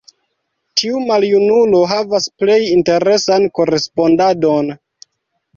Tiu maljunulo havas plej interesan korespondadon.